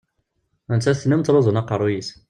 Nettat tennum ttruzum aqerruy-is.